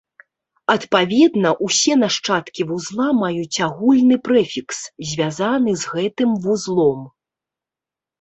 Адпаведна, усе нашчадкі вузла маюць агульны прэфікс, звязаны з гэтым вузлом.